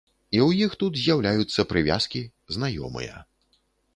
І ў іх тут з'яўляюцца прывязкі, знаёмыя.